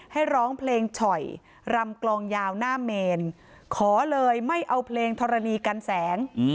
ให้ร้องเพลงฉ่อยรำกลองยาวหน้าเมนขอเลยไม่เอาเพลงธรณีกันแสง